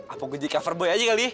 apa gue jadi coverboy aja kali